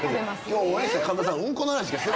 今日お会いして神田さん。